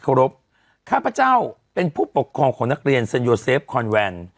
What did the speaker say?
รบข้าพเจ้าเป็นผู้ปกครองของนักเรียนเซ็นโยเซฟคอนแวน